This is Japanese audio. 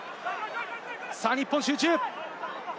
日本、集中。